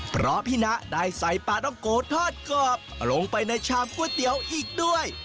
เพราะพี่นะได้ใส่ปลาต้องโกทอดกรอบลงไปในชามก๋วยเตี๋ยวอีกด้วย